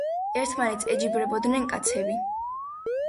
ერთმანეთს ეჯიბრებოდნენ კაცები.